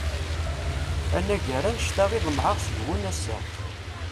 Anagar annect-a i ḍemɛeɣ seg-wen ass-a.